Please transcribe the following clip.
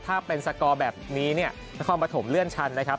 ถ้าเป็นสกอร์แบบนี้เนี่ยนครปฐมเลื่อนชั้นนะครับ